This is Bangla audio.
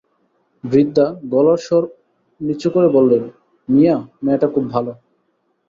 বৃদ্ধা গলার স্বর নিচু করে বললেন, মিয়া মেয়েটা খুব ভালো।